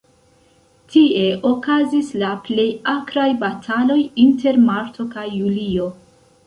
Tie okazis la plej akraj bataloj, inter marto kaj julio.